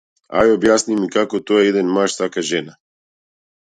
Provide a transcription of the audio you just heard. Ај објасни ми како тоа еден маж сака жена.